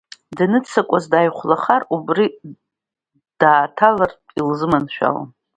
Даныццакуаз дааихәлахар, убри даҭаалартә илзыманшәалан.